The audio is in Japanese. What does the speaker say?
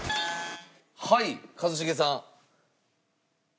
はい一茂さん。